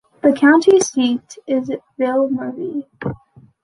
The county seat is Ville-Marie.